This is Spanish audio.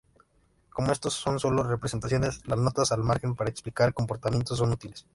Como estos son sólo representaciones, las notas al margen para explicar comportamientos son útiles.